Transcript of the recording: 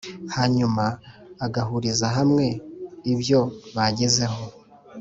hanyuma bagahuriza hamwe ibyo bagezeho